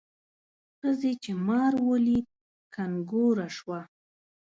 ښځې چې مار ولید کنګوره شوه.